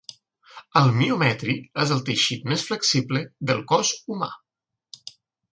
El miometri és el teixit més flexible del cos humà.